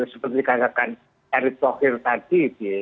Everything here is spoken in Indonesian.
seperti katakan erick thohir tadi